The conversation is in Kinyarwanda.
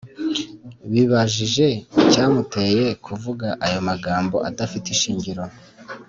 bibajije icyamuteye kuvuga ayo magambo adafite ishingiro,